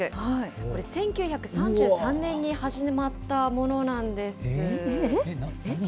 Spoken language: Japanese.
これ、１９３３年に始まったものなんです。